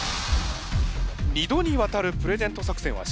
二度にわたるプレゼント作戦は失敗。